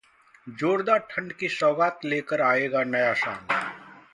जोरदार ठंड की सौगात लेकर आएगा नया साल